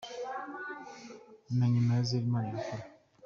Na nyuma ya zero Imana irakora.”